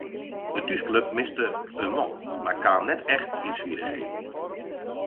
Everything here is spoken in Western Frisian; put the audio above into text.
De thúsklup miste in man mar kaam net echt yn swierrichheden.